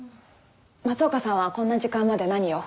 松岡さんはこんな時間まで何を？